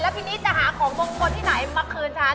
พี่นิดจะหาของมงคลที่ไหนมาคืนฉัน